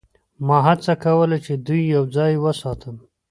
ما هڅه کوله چې دوی یوځای وساتم